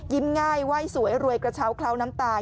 ง่ายไหว้สวยรวยกระเช้าเคล้าน้ำตา